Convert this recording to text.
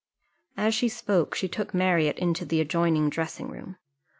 As she spoke, she took Marriott into the adjoining dressing room.